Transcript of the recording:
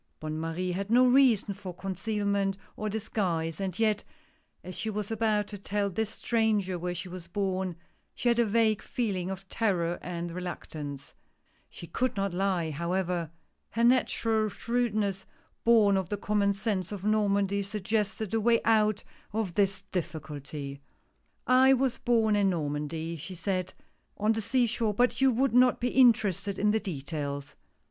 " Bonne Marie had no reason for concealment or disguise ; and yet, as she was about to tell this stranger where she was born, she had a vague feeling of terror and reluctance. She could not lie, however. Her natural shrewdness, born of the common sense of Normandy, suggested a way out of this difficulty. " I was born in Normandy," she said, " on the sea shore, but you would not be interested in the details."